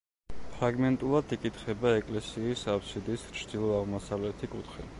ფრაგმენტულად იკითხება ეკლესიის აბსიდის ჩრდილო-აღმოსავლეთი კუთხე.